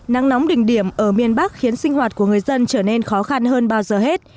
nắng nóng đỉnh điểm ở miền bắc khiến sinh hoạt của người dân trở nên khó khăn hơn bao giờ hết